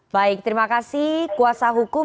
baik terima kasih